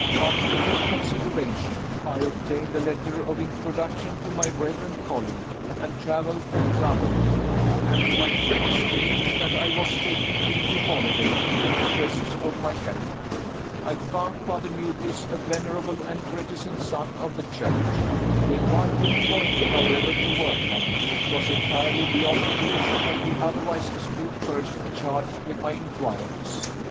After due consideration, I obtained a letter of introduction to my reverend colleague, and traveled to Clovelly telling my friends here that I was taking a little holiday, in the interests of my health. I found Father Newbliss a venerable and reticent son of the Church with one weak point, however, to work on, which was entirely beyond the reach of the otherwise astute person charged with my inquiries.